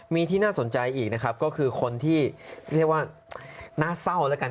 มีที่น่าสนใจอีกนะครับก็คือคนที่เรียกว่าน่าเศร้าแล้วกัน